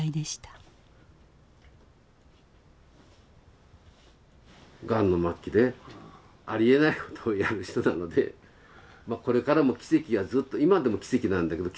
がんの末期でありえないことをやる人なのでまあこれからも奇跡がずっと今でも奇跡なんだけど。